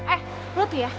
eh lo tuh ya